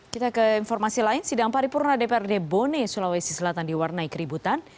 kita ke informasi lain sidang paripurna dprd bone sulawesi selatan diwarnai keributan